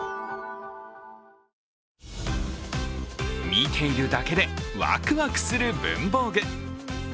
見ているだけでワクワクする文房具。